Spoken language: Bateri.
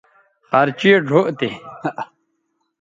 خرچیئ ڙھؤ تے